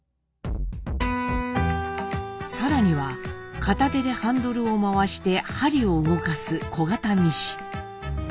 更には片手でハンドルを回して針を動かす小型ミシン。